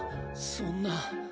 そんな。